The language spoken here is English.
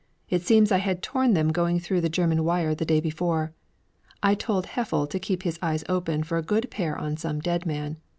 It seems I had torn them going through the German wire the day before. I told Haeffle to keep his eyes open for a good pair on some dead man.